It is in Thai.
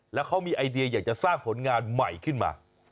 แล้วเขามีไอเดียอยากจะสร้างผลงานใหม่ขึ้นมา